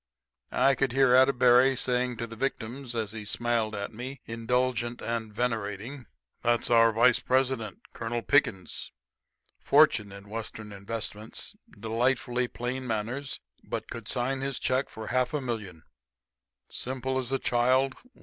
I could hear Atterbury saying to victims, as he smiled at me, indulgent and venerating, "That's our vice president, Colonel Pickens ... fortune in Western investments ... delightfully plain manners, but ... could sign his check for half a million ... simple as a child